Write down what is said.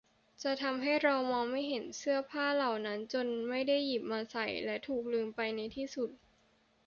จะทำให้เรามองไม่เห็นเสื้อผ้าเหล่านั้น จนไม่ได้หยิบมาใส่ และถูกลืมไปในที่สุด